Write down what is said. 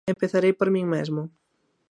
Empezarei por min mesmo.